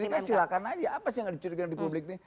dicurigai silahkan aja apa sih yang ada kecurigaan di publik ini